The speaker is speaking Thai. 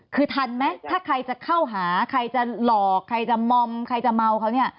คือทันไหมถ้าใครจะเข้าหาใครจะหลอกใครจะมอมใครจะเมาเขาเนี่ย